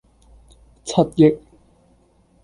七億